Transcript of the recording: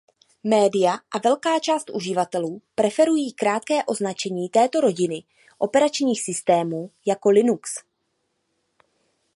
Média a velká část uživatelů preferují krátké označení této rodiny operačních systémů jako "Linux".